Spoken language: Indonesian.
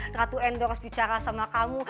ratu endorse bicara sama kamu